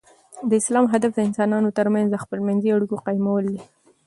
د اسلام هدف د انسانانو تر منځ د خپل منځي اړیکو قایمول دي.